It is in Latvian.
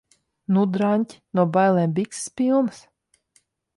Nu, draņķi? No bailēm bikses pilnas?